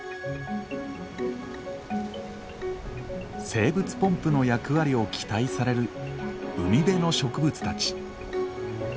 生物ポンプの役割を期待される海辺の植物たち。